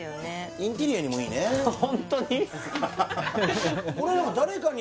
インテリアにもいいねホントに？